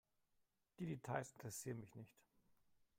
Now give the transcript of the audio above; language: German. Die Details interessieren mich nicht.